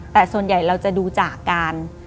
แต่ส่วนใหญ่เราจะดูจากการ